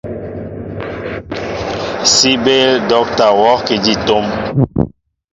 Si béél docta worki di tóm.